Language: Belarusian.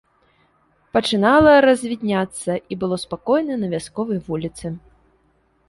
Пачынала развідняцца, і было спакойна на вясковай вуліцы.